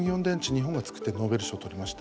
日本が作ってノーベル賞を取りました。